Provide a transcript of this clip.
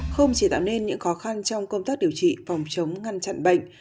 không chỉ tạo nên những khó khăn trong công tác điều trị phòng chống ngăn chặn bệnh